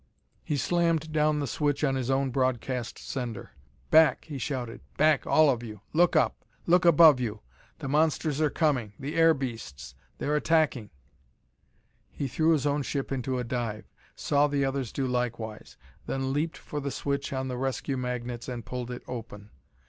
He slammed down the switch on his own broadcast sender. "Back!" he shouted; "back, all of you! Look up! Look above you! The monsters are coming! the air beasts! they are attacking!" He threw his own ship into a dive; saw the others do likewise; then leaped for the switch on the rescue magnets and pulled it open.